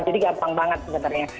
jadi gampang banget sebenarnya